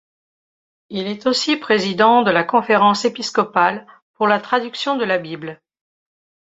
Il est aussi Président de la Conférence Episcopale pour la Traduction de la Bible.